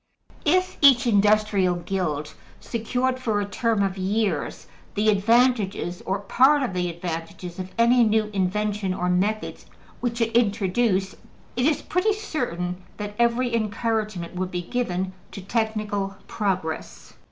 If each industrial guild secured for a term of years the advantages, or part of the advantages, of any new invention or methods which it introduced, it is pretty certain that every encouragement would be given to technical progress.